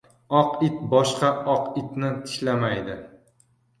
• Oq it boshqa oq itni tishlamaydi.